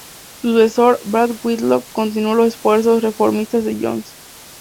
Su sucesor, Brand Whitlock, continuó los esfuerzos reformistas de Jones.